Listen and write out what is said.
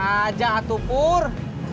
biasa aja itu pur